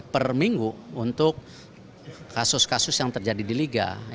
seminggu untuk kasus kasus yang terjadi di liga